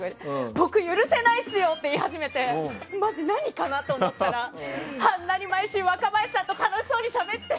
僕、許せないっすよ！って言い始めてマジで何かなと思ったらあんなに毎週若林さんとしゃべって！